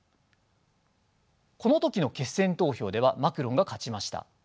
この時の決選投票ではマクロンが勝ちました。